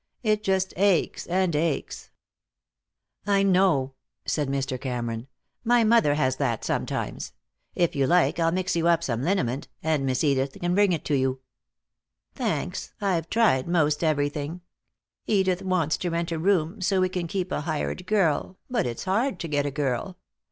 It just aches and aches." "I know," said Mr. Cameron. "My mother has that, sometimes. If you like I'll mix you up some liniment, and Miss Edith can bring it to you." "Thanks. I've tried most everything. Edith wants to rent a room, so we can keep a hired girl, but it's hard to get a girl.